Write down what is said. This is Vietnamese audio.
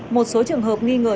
một số trường hợp nghi ngờ